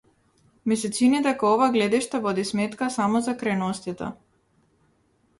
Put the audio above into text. Ми се чини дека ова гледиште води сметка само за крајностите.